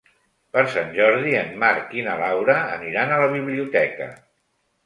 Per Sant Jordi en Marc i na Laura aniran a la biblioteca.